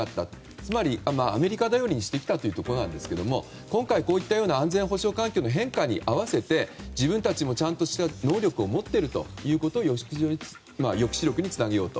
つまり、アメリカ便りにしてきたということなんですけれども今回、こういった安全保障環境の変化に合わせて自分たちもちゃんとした能力を持っておくことを抑止力につなげようと。